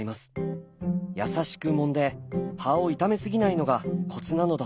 優しくもんで葉を傷めすぎないのがコツなのだそうです。